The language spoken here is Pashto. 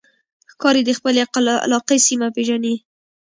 ښکاري د خپلې علاقې سیمه پېژني.